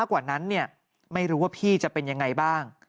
กว่านั้นไม่รู้ว่าพี่จะเป็นยังไงบ้าง